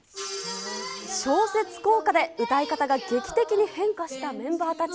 小説効果で歌い方が劇的に変化したメンバーたち。